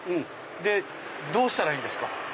でどうしたらいいんですか？